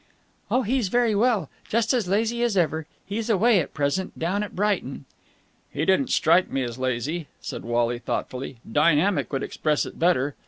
"Oh, he's very well. Just as lazy as ever. He's away at present, down at Brighton." "He didn't strike me as lazy," said Wally thoughtfully. "Dynamic would express it better.